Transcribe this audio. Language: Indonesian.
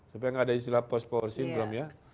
supaya gak ada istilah post power syndrome ya